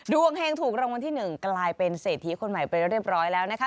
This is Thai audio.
เฮงถูกรางวัลที่๑กลายเป็นเศรษฐีคนใหม่ไปเรียบร้อยแล้วนะคะ